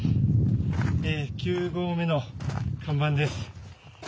９合目の看板です。